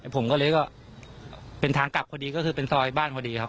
ผมก็เลยก็เป็นทางกลับพอดีก็คือเป็นซอยบ้านพอดีครับ